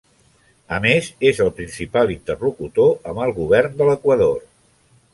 A més, és el principal interlocutor amb el govern de l’Equador.